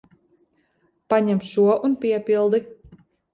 Paņem šo un piepildi.